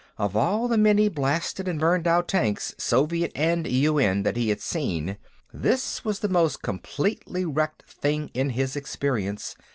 Of all the many blasted and burned out tanks, Soviet and UN, that he had seen, this was the most completely wrecked thing in his experience.